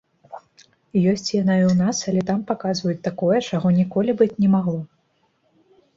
Ёсць яна і ў нас, але там паказваюць такое, чаго ніколі быць не магло!